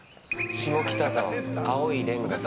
下北沢の青いレンガ。